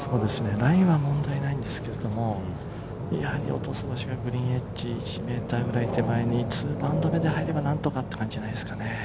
ライは問題ないんですけど、やはりグリーンエッジ、１ｍくらい手前に２バウンド目で入れば何とかという感じじゃないですかね。